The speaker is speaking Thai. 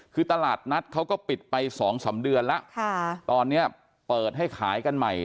คือตลาดนัดเขาก็ปิดไปสองสามเดือนแล้วตอนนี้เปิดให้ขายกันใหม่